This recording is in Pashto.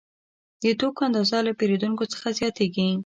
د توکو اندازه له پیرودونکو څخه زیاتېږي